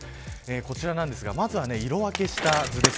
こちらなんですがまずは色分けした地図です。